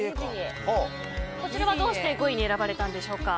こちらはどうして５位に選ばれたんでしょうか。